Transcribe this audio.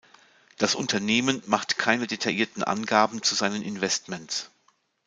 Das Unternehmen macht keine detaillierten Angaben zu seinen Investments.